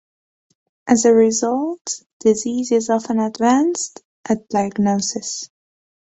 As a result, disease is often advanced at diagnosis.